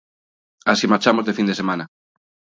Así marchamos de fin de semana.